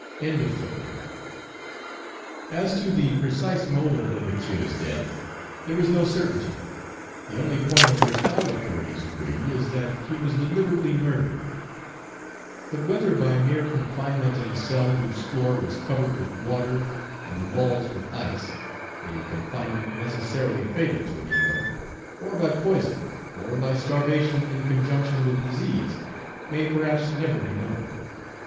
As to the precise mode of L'Ouverture's death, there is no certainty. The only point on which all authorities agree is, that he was deliberately murdered; but whether by mere confinement in a cell whose floor was covered with water and the walls with ice (a confinement necessarily fatal to a negro), or by poison, or by starvation in conjunction with disease, may perhaps never be known.